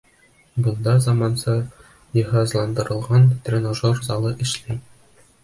Бында заманса йыһазландырылған тренажер залы эшләй.